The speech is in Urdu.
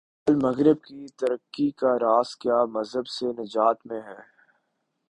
اہل مغرب کی ترقی کا راز کیا مذہب سے نجات میں ہے؟